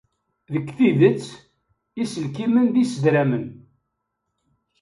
Deg tidet, iselkimen d isedramen.